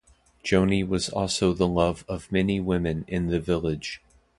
Joni also was the love of many women in the village.